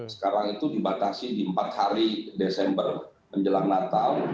sekarang itu dibatasi di empat hari desember menjelang natal